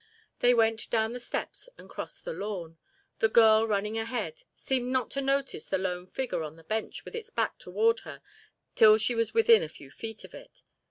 They went down the steps and crossed the lawn. The girl, running ahead, seemed not to notice the lone figure on the bench with its back toward her till she was within a few feet of it.